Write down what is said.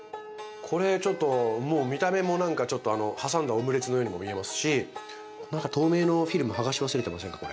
これちょっともう見た目もなんか挟んだオムレツのようにも見えますし何か透明のフィルムはがし忘れてませんか？